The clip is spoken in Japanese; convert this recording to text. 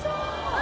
あ！